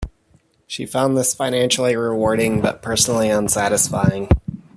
She found this financially rewarding, but personally unsatisfying.